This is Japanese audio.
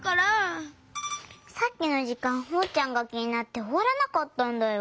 さっきのじかんおうちゃんがきになっておわらなかったんだよ。